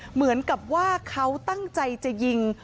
เหมือนกับว่าเขาตั้งใจจะยิง